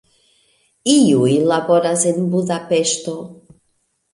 Iuj laboras en Budapeŝto.